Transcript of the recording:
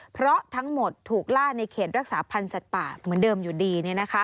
เพราะทั้งหมดถูกล่าในเขตรักษาพันธ์สัตว์ป่าเหมือนเดิมอยู่ดี